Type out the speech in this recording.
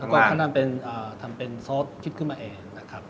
แล้วก็ทำเป็นซอสคิดขึ้นมาเองนะครับ